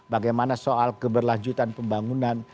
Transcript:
bagaimana soal keberlanjutan pembangunan